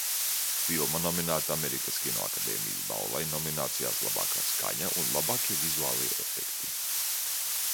"Filma nominēta Amerikas Kinoakadēmijas balvai nominācijās "Labākā skaņa" un "Labākie vizuālie efekti"."